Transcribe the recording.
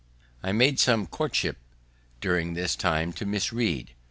I had made some courtship during this time to Miss Read.